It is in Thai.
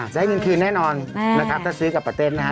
ได้เงินคืนแน่นอนนะครับถ้าซื้อกับปะเต้นนะฮะ